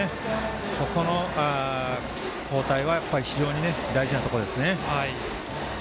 ここの交代は非常に大事なところです。